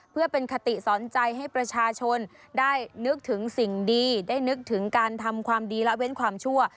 เพื่อเป็นคติสอนใจให้ประชาชนได้นึกถึงสิ่งดีได้นึกถึงการทำความดีละเว้นความชั่ว